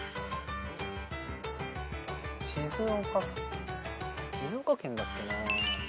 静岡静岡県だっけな？